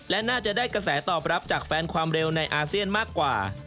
และน่าจะได้กระแสตอบรับจากแฟนความเร็วในอาเซียนมากกว่า